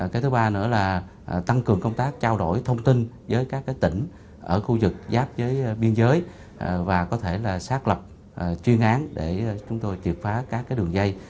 cái thứ ba nữa là tăng cường công tác trao đổi thông tin với các tỉnh ở khu vực giáp với biên giới và có thể là xác lập chuyên án để chúng tôi triệt phá các đường dây